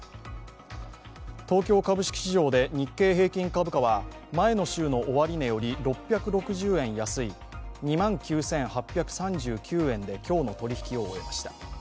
東京株式市場で日経平均株価は前の週の終値より６６０円安い２万９８３９円で今日の取引を終えました。